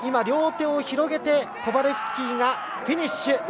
両手を広げてコバレフスキーがフィニッシュ。